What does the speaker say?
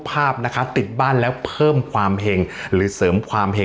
ภาพนะคะติดบ้านแล้วเพิ่มความเห็งหรือเสริมความเห็ง